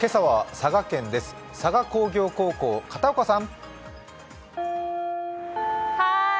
佐賀工業高校、片岡さん。